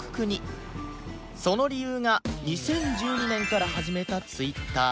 その理由が２０１２年から始めた Ｔｗｉｔｔｅｒ